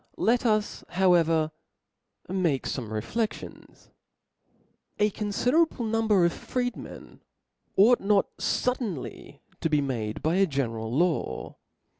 Let us however make fome rcflcftions. A confiderable number of freed men ought notfud* denly to be made by a general law.